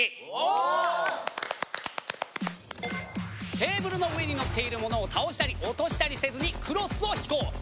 テーブルの上にのっているものを倒したり落としたりせずにクロスを引こう。